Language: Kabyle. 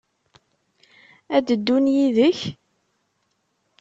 Ad d-ddun yid-k?